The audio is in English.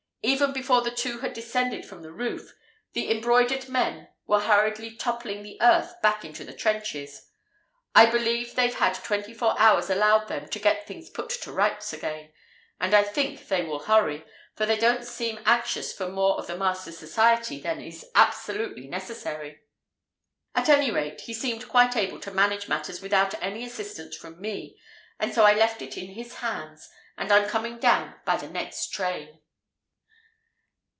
Even before the two had descended from the roof, the embroidered men were hurriedly toppling the earth back into the trenches. I believe they've had twenty four hours allowed them to get things put to rights again. And I think they will hurry, for they don't seem anxious for more of the master's society than is absolutely necessary. At any rate, he seemed quite able to manage matters without any assistance from me, and so I left it in his hands, and I'm coming down by the next train."